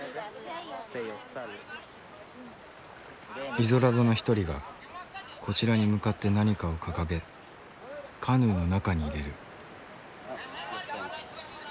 イゾラドの一人がこちらに向かって何かを掲げカヌーの中に入れる。